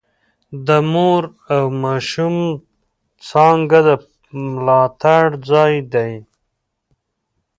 د مور او ماشوم څانګه د ملاتړ ځای دی.